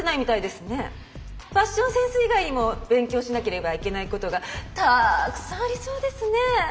ファッションセンス以外にも勉強しなければいけないことがたくさんありそうですね？